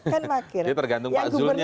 kan wakil jadi tergantung pak zulnya